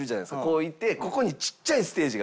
こういてここにちっちゃいステージがあるんですよ。